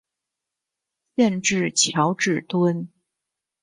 县治乔治敦。